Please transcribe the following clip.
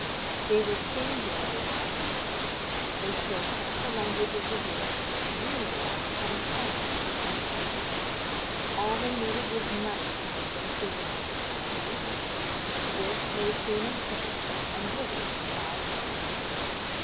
They were singularly accomplished; they spoke half the languages of Europe, drew well, and sang to perfection. All they needed was money to make them queens of society; this they soon obtained, and with it high rank.